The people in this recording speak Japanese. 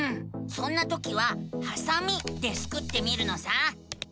そんなときは「はさみ」でスクってみるのさ！